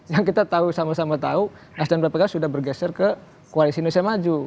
yang kita tahu sama sama tahu nasdem bapak pks sudah bergeser ke koalisi indonesia maju